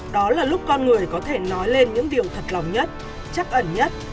đó là lúc con người có thể nói lên những điều thật lòng nhất chắc ẩn nhất